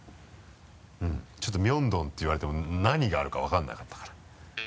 ちょっと「明洞」っていわれても何があるか分からなかったから。